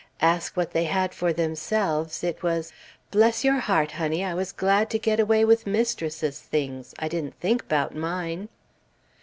Ask what they had for themselves, it was, "Bless your heart, honey, I was glad to get away with mistress's things; I didn't think 'bout mine."